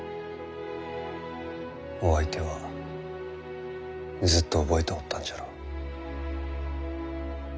お相手はずっと覚えておったんじゃろう。